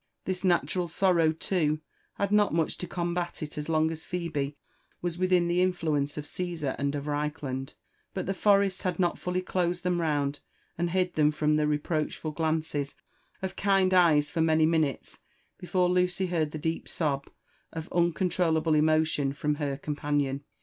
This natural sorrow, too, had not much to combat it as long as Phebe was within the influence of Caesar and Of Reichland ; but the forest had not fully closed them round and hid them from the reproachful glances of kind eyes for many minutes before Lucy heard the deep sob of un^ controllable emotion from her companion.